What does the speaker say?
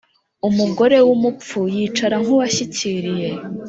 Umugore w’umupfu yicara nk’uwashyikiriye.